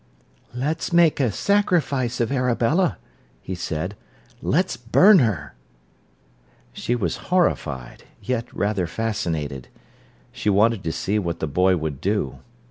"Let's make a sacrifice of Arabella," he said. "Let's burn her." She was horrified, yet rather fascinated. She wanted to see what the boy would do.